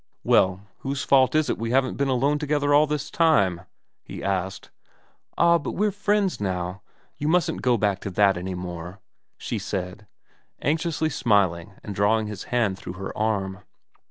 * Well, whose fault is it we haven't been alone together all this time ?' he asked. 'Ah, but we're friends now you mustn't go back to that any more,' she said, anxiously smiling and drawing his hand through her arm.